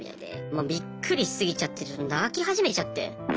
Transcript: もうびっくりしすぎちゃってちょっと泣き始めちゃって。